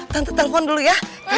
tante telfon dulu ya